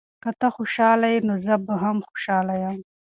که ته خوشحاله یې، نو زه هم خوشحاله یم.